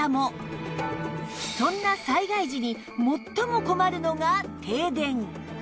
そんな災害時に最も困るのが停電